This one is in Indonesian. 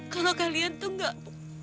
kalau kalian tuh gak